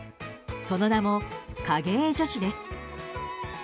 その名も、影絵女子です。